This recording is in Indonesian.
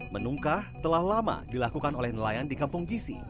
menungkah telah lama dilakukan oleh nelayan di kampung gisi